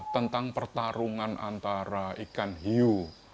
tentang pertarungan antara ikan hiu